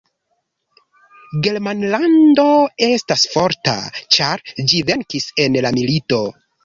Germanlando estas forta, ĉar ĝi venkis en la milito.